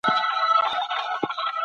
ستا خبرې زما د ذهن لپاره یو رڼا وه.